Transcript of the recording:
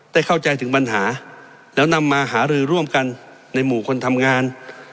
เข้าใจถึงปัญหาแล้วนำมาหารือร่วมกันในหมู่คนทำงาน